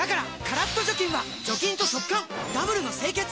カラッと除菌は除菌と速乾ダブルの清潔！